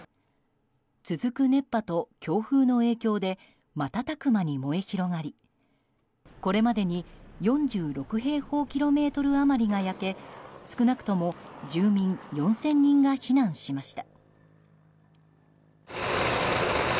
続く熱波と強風の影響で瞬く間に燃え広がりこれまでに４６平方キロメートル余りが焼け少なくとも住民４０００人が避難しました。